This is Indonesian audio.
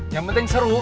yang penting seru